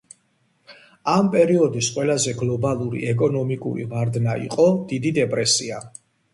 ამ პერიოდის ყველაზე გლობალური ეკონომიკური ვარდნა იყო „დიდი დეპრესია“.